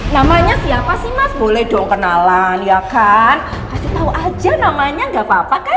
namanya siapa sih mas boleh dong kenalan ya kan kasih tahu aja namanya gak apa apa kan